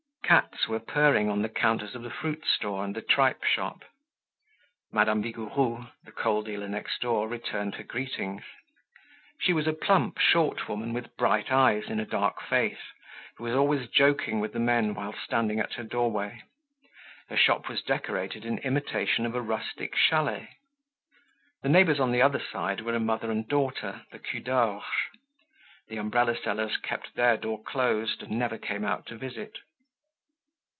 Cats were purring on the counters of the fruit store and the tripe shop. Madame Vigouroux, the coal dealer next door, returned her greetings. She was a plump, short woman with bright eyes in a dark face who was always joking with the men while standing at her doorway. Her shop was decorated in imitation of a rustic chalet. The neighbors on the other side were a mother and daughter, the Cudorges. The umbrella sellers kept their door closed and never came out to visit.